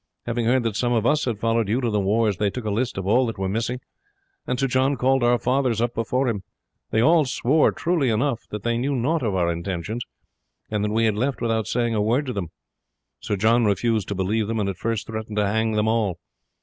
Having heard that some of us had followed you to the wars, they took a list of all that were missing, and Sir John called our fathers up before him. They all swore, truly enough, that they knew nought of our intentions, and that we had left without saying a word to them. Sir John refused to believe them, and at first threatened to hang them all.